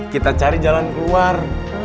kita cari jalan keluar